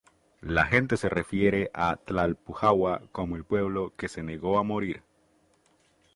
La gente se refiere a Tlalpujahua como el pueblo que se negó a morir.